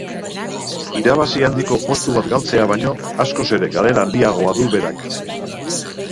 Irabazi handiko postu bat galtzea baino askoz ere galera handiagoa du berak...!